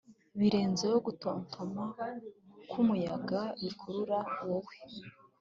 birenzeho gutontoma kwumuyaga bikurura wowe